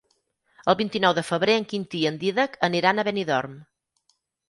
El vint-i-nou de febrer en Quintí i en Dídac aniran a Benidorm.